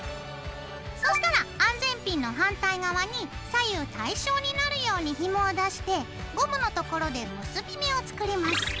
そうしたら安全ピンの反対側に左右対称になるようにひもを出してゴムのところで結び目を作ります。